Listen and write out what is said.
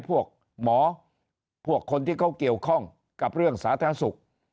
พวกหมอพวกคนที่เขาเกี่ยวข้องกับเรื่องสาธารณสุข